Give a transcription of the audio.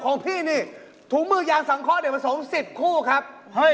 ของพี่นี้ถุงมือกยางส่างข้อเดี๋ยวมาสม๑๐คู่ครับ